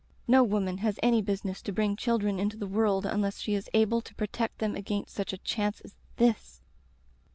No woman has any business to bring children into the world unless she is able to protect them against such a chance as this.